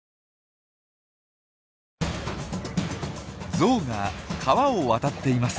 ゾウが川を渡っています。